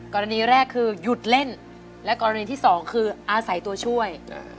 กรณีแรกคือหยุดเล่นและกรณีที่สองคืออาศัยตัวช่วย